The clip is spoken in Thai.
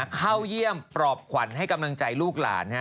เข้าเยี่ยมปลอบขวัญให้กำลังใจลูกหลาน